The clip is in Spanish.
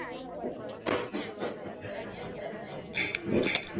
En la actualidad preside la Fundación Indalecio Prieto.